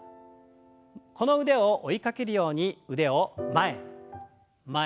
この腕を追いかけるように腕を前前。